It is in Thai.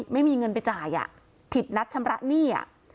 ไม่มีเงินไปจ่ายผิดนัดชำระหนี้